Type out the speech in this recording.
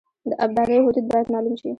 د ابدارۍ حدود باید معلوم شي